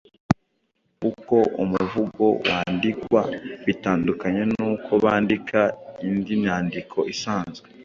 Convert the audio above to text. Uko umuvugo wandikwa bitandukanye n’uko bandika indi myandiko isanzwe.